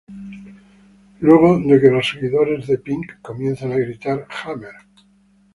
Luego de que "los seguidores" de Pink comienzan a gritar "Hammer!